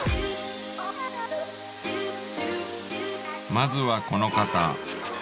まずはこの方。